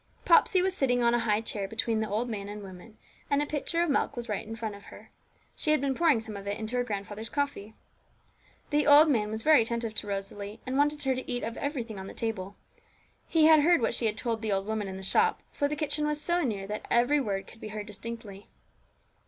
Popsey was sitting on a high chair between the old man and woman, and the pitcher of milk was just in front of her; she had been pouring some of it into her grandfather's coffee. The old man was very attentive to Rosalie, and wanted her to eat of everything on the table. He had heard what she had told the old woman in the shop, for the kitchen was so near that every word could be heard distinctly.